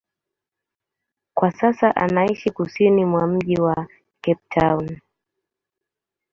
Kwa sasa anaishi kusini mwa mji wa Cape Town.